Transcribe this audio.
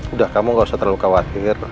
udah kamu gak usah terlalu khawatir